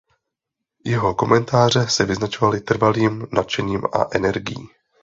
Jeho komentáře se vyznačovaly trvalým nadšením a energií.